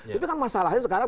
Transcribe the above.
tapi kan masalahnya sekarang